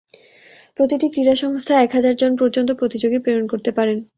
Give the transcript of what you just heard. প্রতিটি ক্রীড়া সংস্থা এক হাজার জন পর্যন্ত প্রতিযোগী প্রেরণ করতে পারেন।